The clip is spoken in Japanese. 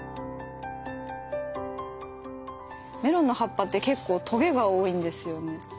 メロンの葉っぱって結構トゲが多いんですよね。